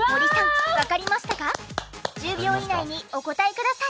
１０秒以内にお答えください。